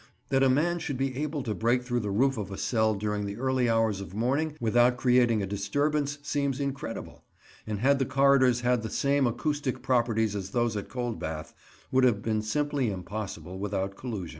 That a man should be able to break through the roof of a cell during the early hours of morning without creating a disturbance seems incredible, and had the corridors had the same acoustic properties as those at Coldbath, would have been simply impossible without collusion.